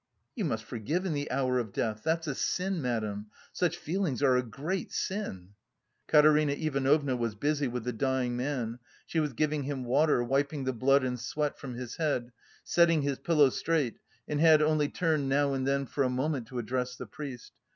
"You must forgive in the hour of death, that's a sin, madam, such feelings are a great sin." Katerina Ivanovna was busy with the dying man; she was giving him water, wiping the blood and sweat from his head, setting his pillow straight, and had only turned now and then for a moment to address the priest.